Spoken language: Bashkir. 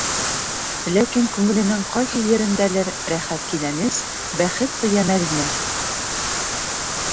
Ләкин күңеленең ҡайһы ерендәлер рәхәт кинәнес, бәхет тоя Мәҙинә.